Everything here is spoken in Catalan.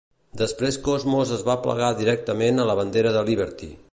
Després Cosmos es va plegar directament a la bandera de Liberty.